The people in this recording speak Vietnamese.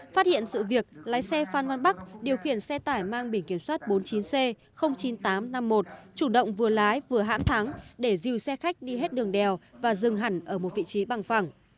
phát hiện sự việc lái xe phan văn bắc điều khiển xe tải mang bỉnh kiểm soát bốn mươi chín c chín nghìn tám trăm năm mươi một chủ động vừa lái vừa hãm thắng để dìu xe khách đi hết đường đèo và dừng hẳn ở một vùng